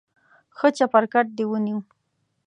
ښه چپرکټ دې ونیو.